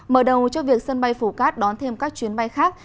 mở đầu cho việc sân bay phuket đón thêm các chuyến bay khác